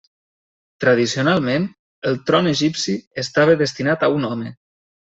Tradicionalment, el tron egipci estava destinat a un home.